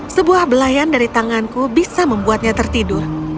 sebuah belayan dari tanganku bisa membuatnya tertidur